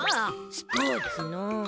スポーツのう。